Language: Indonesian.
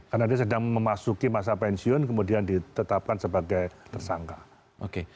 karena dia sedang memasuki masa pensiun kemudian ditetapkan sebagai tersangka